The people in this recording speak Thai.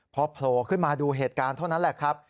พอโผล่ขึ้นมาดูเหตุการณ์เท่านั้นแหละครับ